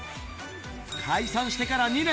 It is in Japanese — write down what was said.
解散してから２年。